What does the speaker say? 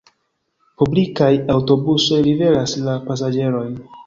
Publikaj aŭtobusoj liveras la pasaĝerojn.